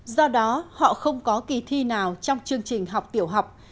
do đó họ không có kỳ thi nào trong chương trình học tiểu học